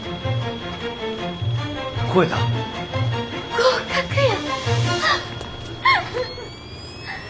合格や。